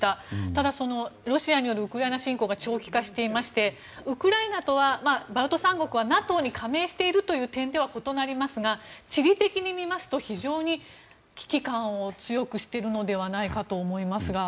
ただ、ロシアによるウクライナ侵攻が長期化していましてウクライナとはバルト三国はＮＡＴＯに加盟しているという点では異なりますが地理的に見ますと非常に危機感を強くしているのではないかと思いますが。